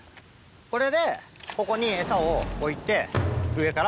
これでここにエサを置いて上から。